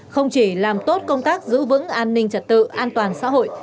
không chỉ làm tốt công tác giữ vững an ninh trật tự an toàn xã hội